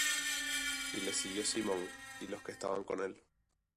Y le siguió Simón, y los que estaban con él;